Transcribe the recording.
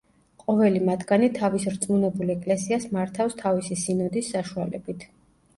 ყოველი მათგანი თავის რწმუნებულ ეკლესიას მართავს თავისი სინოდის საშუალებით.